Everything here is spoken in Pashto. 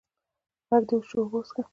ږغ دي وچ سو، اوبه وڅيښه!